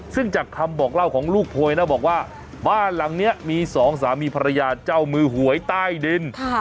ซึ่งจากคำบอกเล่าของลูกโพยนะบอกว่าบ้านหลังนี้มีสองสามีภรรยาเจ้ามือหวยใต้ดิน